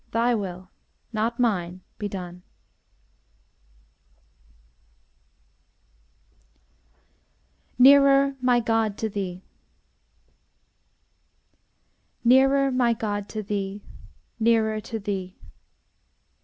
thy will, not mine, be done. NEARER, MY GOD, TO THEE Nearer, my God, to thee, Nearer to thee!